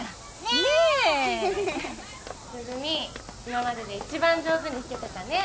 今までで一番上手に弾けてたね。